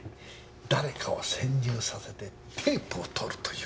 誰かを潜入させてテープをとるというのは。